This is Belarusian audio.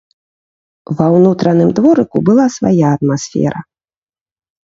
Ва ўнутраным дворыку была свая атмасфера.